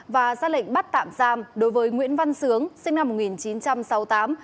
và ra lệnh bắt tạm giam đối với nguyễn văn sướng sinh năm một nghìn chín trăm sáu mươi tám